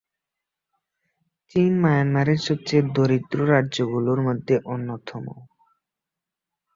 চিন মায়ানমারের সবচেয়ে দরিদ্র রাজ্য গুলোর মধ্যে অন্যতম।